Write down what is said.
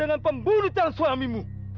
menemukan gambar dinding plusapp di kafir